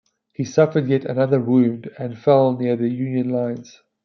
He suffered yet another wound, and fell near the Union lines.